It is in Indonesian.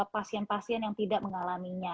pasien pasien yang tidak mengalaminya